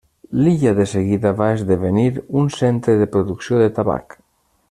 L'illa de seguida va esdevenir un centre de producció de tabac.